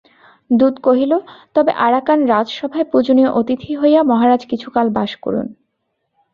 দূত কহিল, তবে আরাকান-রাজসভায় পূজনীয় অতিথি হইয়া মহারাজ কিছু কাল বাস করুন।